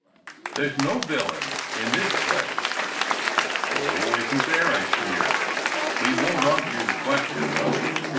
There s no villain in this play." "Oh, isn t there?" I sneered. "We won t argue the question, though.